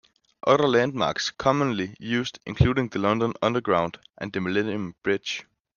Other landmarks commonly used included the London Underground, and the Millennium Bridge.